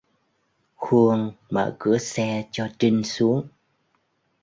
Khuôn Mở cửa xe cho trinh xuống